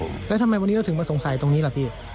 แล้วทำไมวันนี้เราถึงมาสงสัยตรงนี้ล่ะพี่